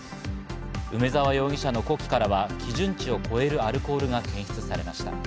梅沢容疑者の呼気からは基準値を超えるアルコールが検出されました。